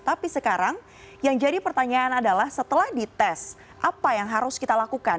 tapi sekarang yang jadi pertanyaan adalah setelah dites apa yang harus kita lakukan